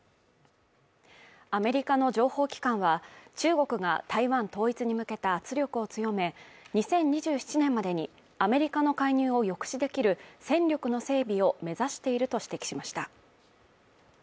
アメリカの情報機関は、中国が台湾統一に向けた圧力を強め２０２７年までにアメリカの介入を抑止できる戦力の整備を目指していると指摘しました。